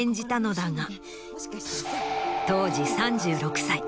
当時３６歳。